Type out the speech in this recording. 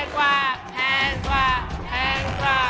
แพงกว่า